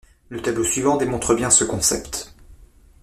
Le tableau suivant démontre bien ce concept.